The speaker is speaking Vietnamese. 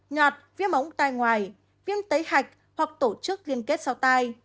nhọt viêm ống tay ngoài viêm tay hạch hoặc tổ chức liên kết sau tay